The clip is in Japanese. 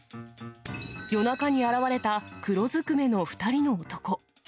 夜中に現れた黒ずくめの２人の男。